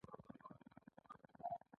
دا په راس کې کمیټې لري.